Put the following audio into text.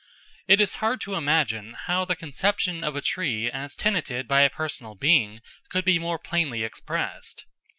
It is hard to imagine how the conception of a tree as tenanted by a personal being could be more plainly expressed.